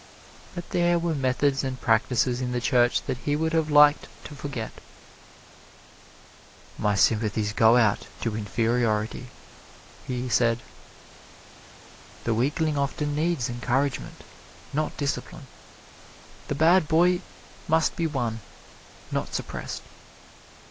But there were methods and practises in the Church that he would have liked to forget. "My sympathies go out to inferiority," he said. The weakling often needed encouragement, not discipline. The bad boy must be won, not suppressed.